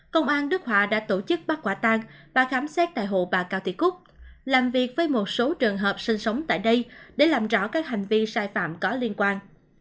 công an đức hòa đã tổ chức bắt quả tang và khám xét tại hộ bà cao thị cúc làm việc với một số trường hợp sinh sống tại đây để làm rõ các hành vi sai phạm có liên quan